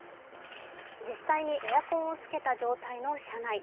実際にエアコンをつけた状態の車内。